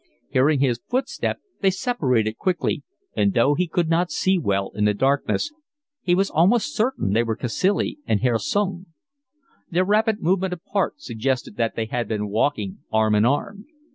Hearing his footstep, they separated quickly, and though he could not see well in the darkness he was almost certain they were Cacilie and Herr Sung. Their rapid movement apart suggested that they had been walking arm in arm.